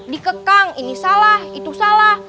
dikekang ini salah itu salah